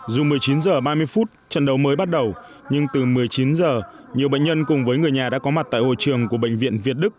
dù một mươi chín h ba mươi phút trận đấu mới bắt đầu nhưng từ một mươi chín h nhiều bệnh nhân cùng với người nhà đã có mặt tại hội trường của bệnh viện việt đức